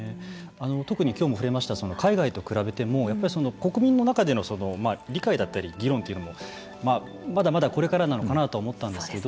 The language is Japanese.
特にきょうも触れました海外と比べてもやっぱり国民の中での理解だったり議論というのもまだまだこれからなのかなとは思ったんですけど